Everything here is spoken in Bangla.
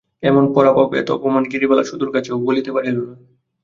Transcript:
এমন পরাভব, এত অপমান গিরিবালা সুধোর কাছেও বলিতে পারিল না।